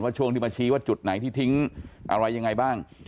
ช่วงที่มาชี้ว่าจุดไหนที่ทิ้งอะไรยังไงบ้าง